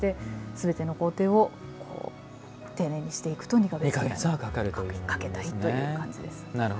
すべての工程を丁寧にしていくと２か月ぐらいはかけたいという感じです。